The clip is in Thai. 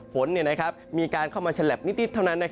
ฝนมีการเข้ามาฉลับนิดเท่านั้น